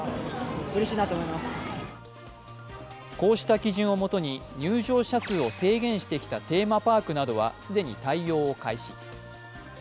こうした基準をもとに入場者数を制限してきたテーマパークなどはすでに対応を開始。